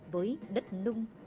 với đất nung